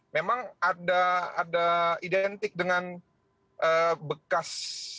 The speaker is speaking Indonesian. memang ada identik dengan bekas